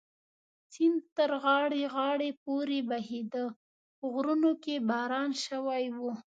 سیند تر غاړې غاړې پورې بهېده، په غرونو کې باران شوی و.